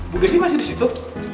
bu desi masih di situ